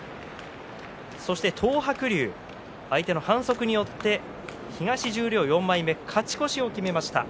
そして東白龍は相手の反則によって東十両４枚目勝ち越しを決めました。